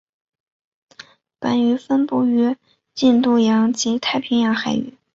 本鱼分布于印度洋及太平洋海域。